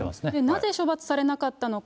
なぜ処罰されなかったのか。